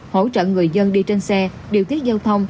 hỗ trợ người dân đi trên xe điều tiết giao thông